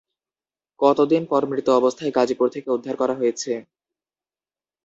কত দিন পর মৃত অবস্থায় গাজীপুর থেকে উদ্ধার করা হয়েছে?